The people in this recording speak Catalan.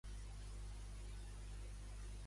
I com s'ho va fer per rompre el glaç?